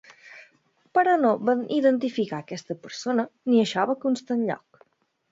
Però no van identificar aquesta persona ni això va constar enlloc.